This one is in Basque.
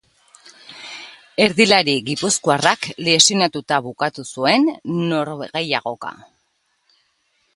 Erdilari gipuzkoarrak lesionatuta bukatu zuen norgehiagoka.